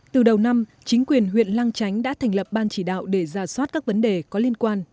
từ đầu năm chính quyền huyện lang chánh đã thành lập ban chỉ đạo để ra soát các vấn đề có liên quan